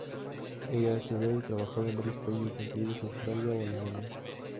Ella ha estudiado y trabajado en varios países, incluidos Australia o Alemania.